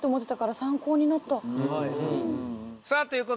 さあということで。